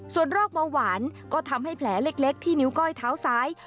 ส่วนโรคเบาหวานก็ทำให้แผลเล็กที่นิ้วก้อยเท้าซ้าย